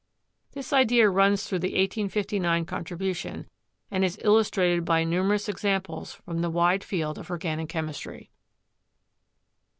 This idea runs through the 1859 contribution and is illustrated by numer ous examples from the wide field of organic chemistry.